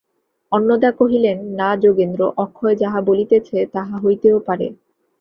অন্নদা কহিলেন, না যোগেন্দ্র, অক্ষয় যাহা বলিতেছে তাহা হইতেও পারে।